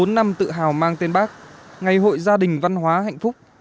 bốn mươi bốn năm tự hào mang tên bác ngày hội gia đình văn hóa hạnh phúc